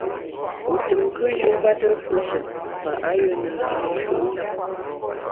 Wu tùm nkùnjù nkwete fùeshe wu fa ayùe ne lâre nshutndap.